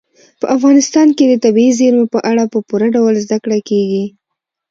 په افغانستان کې د طبیعي زیرمو په اړه په پوره ډول زده کړه کېږي.